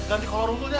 ganti kolong rumput aja